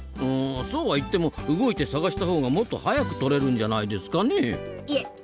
うんそうは言っても動いて探した方がもっと早くとれるんじゃないですかねえ？